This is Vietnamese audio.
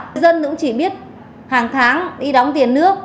người dân cũng chỉ biết hàng tháng đi đóng tiền nước